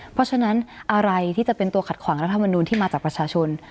เพราะฉะนั้นอะไรที่จะเป็นตัวขัดขวางรัฐมนูลที่มาจากประชาชน